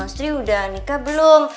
sri udah nikah belum